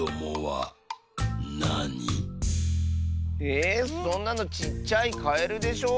えそんなのちっちゃいカエルでしょ？